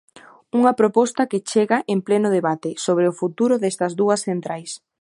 Unha proposta que chega en pleno debate sobre o futuro destas dúas centrais.